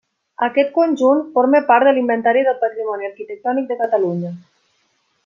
Aquest conjunt forma part de l'Inventari del Patrimoni Arquitectònic de Catalunya.